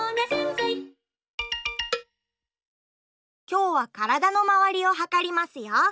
きょうはからだのまわりをはかりますよ。